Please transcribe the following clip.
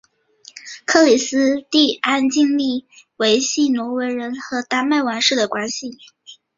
克里斯蒂安尽力维系挪威人和丹麦王室的关系。